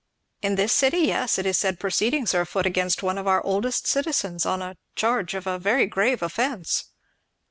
"In this city? yes it is said proceedings are afoot against one of our oldest citizens, on charge of a very grave offence."